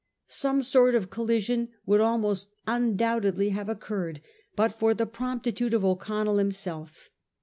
Some sort of collision would almost undoubtedly have occurred but for the promptitude of O'Connell him self.